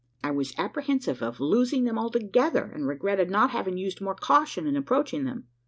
I was apprehensive of losing them altogether; and regretted not having used more caution in approaching them.